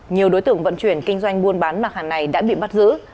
nhiều đối tượng vận chuyển kinh doanh buôn bán mạc hàng này đã bị bắt giữ